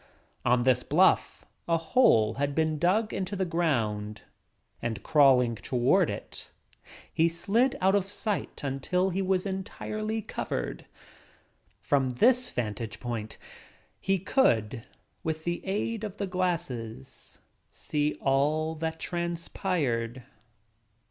On this bluff a hole had been dug into the ground and crawling toward it he slid out of sight until he was entirely covered. From this vantage point he could, with the aid of the glasses, see all that transpired.